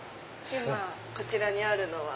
今こちらにあるのが。